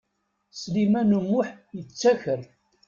Sliman U Muḥ yettaker.